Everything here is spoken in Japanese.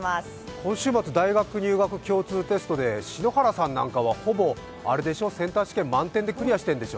今週末大学入学共通テストで篠原さんなんかは、ほぼセンター試験、満点でクリアしてるんでしょ。